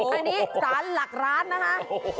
อันนี้สารหลักร้านนะคะ